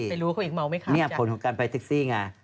ไม่รู้เขาอีกเมาไหมคะเนี่ยผลของการไปเท็กซี่ไง